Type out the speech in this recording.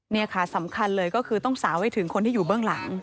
นี่ค่ะสำคัญเลยก็คือต้องสาวให้ถึงคนที่อยู่เบื้องหลัง